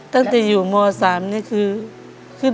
ตั้งแต่อยู่ม๓เนี่ยคือ